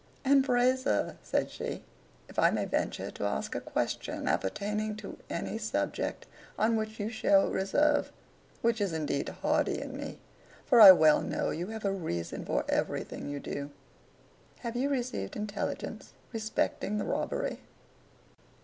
'And pray, sir,' said she, 'if I may venture to ask a question appertaining to any subject on which you show reserve—which is indeed hardy in me, for I well know you have a reason for everything you do—have you received intelligence respecting the robbery?